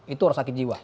itu orang sakit jiwa